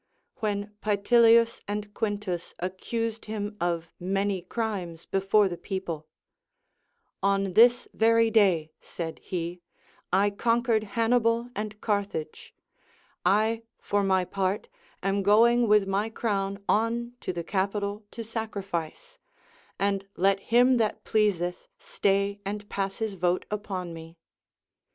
When Paetilius and Quintus accused him of many crimes before the people, — On this very day, said he, I conquered Hannibal and Carthage ; I for my part am going with my crown on to the Capitol to sacrifice ; and let him that pleaeeth stay and pass his vote upon me.